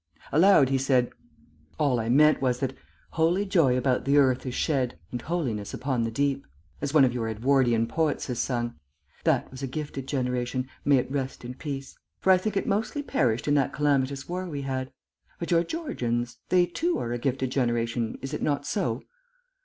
Aloud he said, "All I meant was that "'Holy joy about the earth is shed, And Holiness upon the deep,' as one of your Edwardian poets has sung. That was a gifted generation: may it rest in peace. For I think it mostly perished in that calamitous war we had.... But your Georgians they too are a gifted generation, is it not so?"